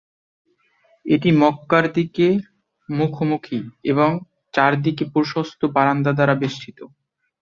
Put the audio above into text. এটি মক্কার দিকের মুখোমুখি এবং এর চারদিকে প্রশস্ত বারান্দা দ্বারা বেষ্টিত।